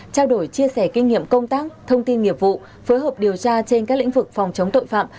trao đổi chia sẻ kinh nghiệm công tác thông tin nghiệp vụ phối hợp điều tra trên các lĩnh vực phòng chống tội phạm